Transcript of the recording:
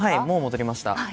もう戻りました。